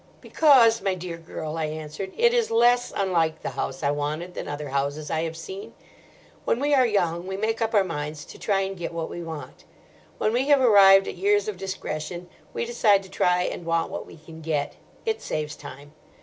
"Because, my dear girl," I answered, "it is less unlike the house I wanted than other houses I have seen. When we are young we make up our minds to try and get what we want; when we have arrived at years of discretion we decide to try and want what we can get. It saves time.